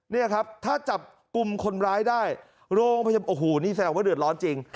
นี่ครับถ้าจับกลุ่มคนร้ายได้โรงพยาบาลโอ้โหนี่แสดงว่าเดือดร้อนจริง